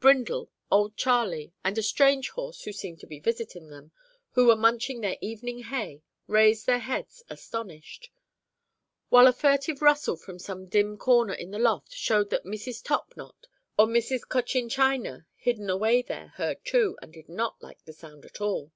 Brindle, old Charley, and a strange horse who seemed to be visiting them, who were munching their evening hay, raised their heads, astonished; while a furtive rustle from some dim corner in the loft showed that Mrs. Top knot or Mrs. Cochin China, hidden away there, heard too, and did not like the sound at all.